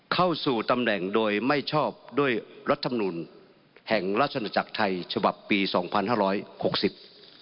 เข้าสู่ตำแหน่งโดยไม่ชอบด้วยรัฐมนุนแห่งราชนุจักรไทยฉบับปีสองพันห้าร้อยหกสิบ